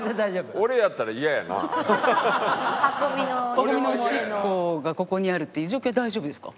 パコ美のおしっこがここにあるっていう状況大丈夫ですか？